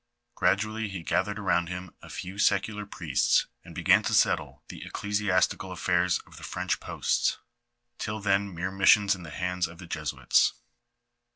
Gradually he gathered around him a few secular priests and began to settle the ecclesiastical affairs of the French posts, till then mere missions in the hands of the Jesuits.